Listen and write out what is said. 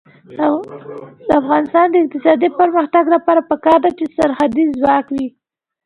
د افغانستان د اقتصادي پرمختګ لپاره پکار ده چې سرحدي ځواک وي.